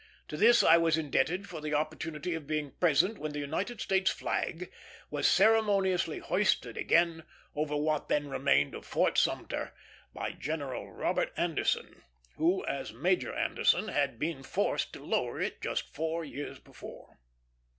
To this I was indebted for the opportunity of being present when the United States flag was ceremoniously hoisted again over what then remained of Fort Sumter, by General Robert Anderson, who, as Major Anderson, had been forced to lower it just four years before.